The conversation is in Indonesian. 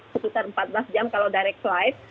sekitar empat belas jam kalau direct live